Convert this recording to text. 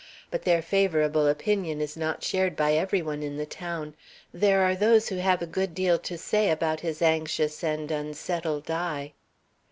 But their favorable opinion is not shared by every one in the town. There are those who have a good deal to say about his anxious and unsettled eye."